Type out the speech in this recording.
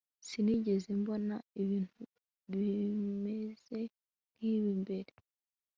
Sinigeze mbona ibintu bimeze nkibi mbere